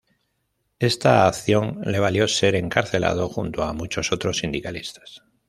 Esta acción le valió ser encarcelado, junto a muchos otros sindicalistas.